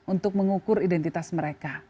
untuk mengukur identitas mereka